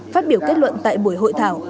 phát biểu kết luận tại buổi hội thảo